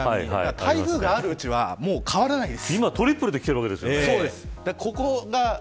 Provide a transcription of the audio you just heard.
台風があるうちは変わらないです。